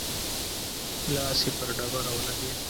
لاس يې پر ډبره ولګېد.